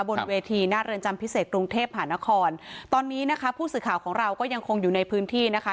บนเวทีหน้าเรือนจำพิเศษกรุงเทพหานครตอนนี้นะคะผู้สื่อข่าวของเราก็ยังคงอยู่ในพื้นที่นะคะ